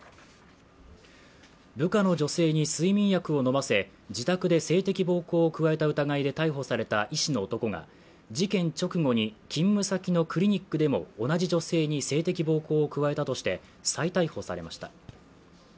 部下の女性に睡眠薬を飲ませ自宅で性的暴行を加えた疑いで逮捕された医師の男が事件直後に勤務先のクリニックでも同じ女性に性的暴行を加えたとして再逮捕されました。